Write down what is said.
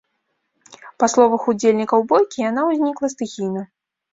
Па словах удзельнікаў бойкі, яна ўзнікла стыхійна.